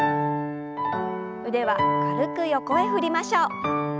腕は軽く横へ振りましょう。